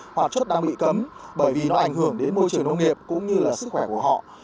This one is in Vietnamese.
hoạt chất đang bị cấm bởi vì nó ảnh hưởng đến môi trường nông nghiệp cũng như là sức khỏe của họ